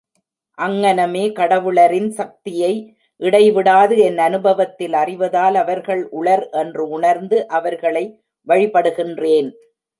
அங்ஙனமே கடவுளரின் சக்தியை இடைவிடாது என் அநுபவத்தில் அறிவதால் அவர்கள் உளர் என்று உணர்ந்து அவர்களை வழிபடுகின்றேன்.